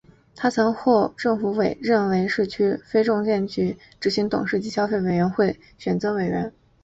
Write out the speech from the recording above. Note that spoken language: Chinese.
他曾获政府委任为市区重建局非执行董事及消费者委员会增选委员。